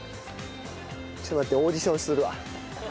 ちょっと待ってオーディションするわ。